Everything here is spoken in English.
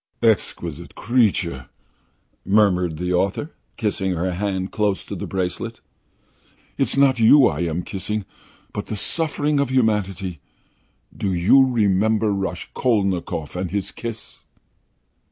"Exquisite creature!" murmured the author, kissing her hand close to the bracelet. "It's not you I am kissing, but the suffering of humanity. Do you remember Raskolnikov and his kiss?"